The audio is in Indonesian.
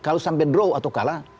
kalau sampai draw atau kalah